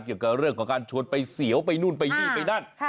เกี่ยวกับเรื่องของการชวนไปเสียวไปนู่นไปนี่ไปนั่น